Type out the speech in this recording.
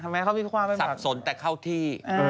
พิเศษละครัวแง่ซับสนแต่เข้าที่